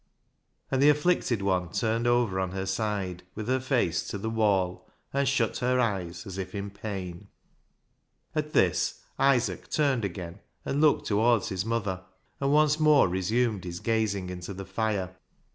And the afflicted one turned over on her side with her face to the wall, and shut her eyes as if in pain. At this Isaac turned again and looked towards his mother, and once more resumed his gazing in the fire.